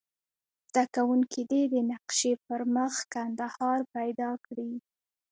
زده کوونکي دې د نقشې پر مخ کندهار پیدا کړي.